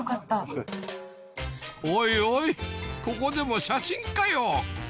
おいおいここでも写真かよ